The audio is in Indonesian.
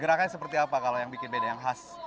gerakannya seperti apa kalau yang bikin beda yang khas